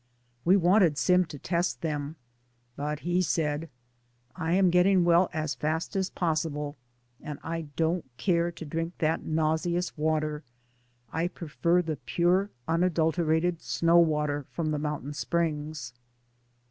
We wanted Sim to test them, but he said : "I am getting well as fast as possible, and I don't care to drink that nauseous water. I prefer the pure, unadulterated snow water from the mountain springs."